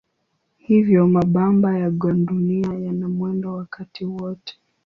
Hivyo mabamba ya gandunia yana mwendo wakati wote.